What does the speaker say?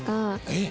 えっ！